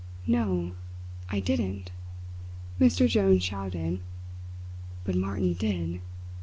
"No, I didn't!" Mr. Jones shouted. "But Martin did!"